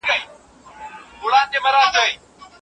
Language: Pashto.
استازي به د ښځو د حقونو په اړه بحث وکړي.